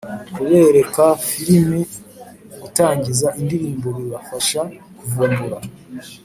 Kubereka filimi gutangiza indirimbo bibafasha kuvumbura